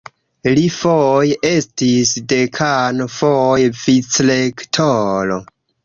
Li foje estis dekano, foje vicrektoro.